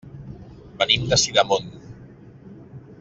Venim de Sidamon.